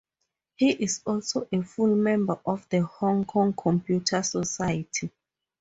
He is also a full member of the Hong Kong Computer Society.